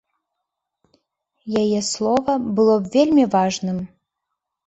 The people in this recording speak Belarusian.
Яе слова было б вельмі важным.